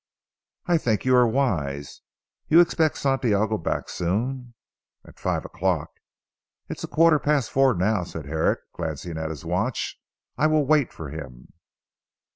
"I think you are wise. You expect Santiago back soon?" "At five o'clock." "It is a quarter past four now," said Herrick glancing at his watch. "I will wait for him."